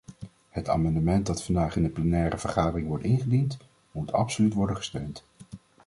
Het amendement dat vandaag in de plenaire vergadering wordt ingediend, moet absoluut worden gesteund.